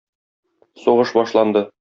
Сугыш башланды.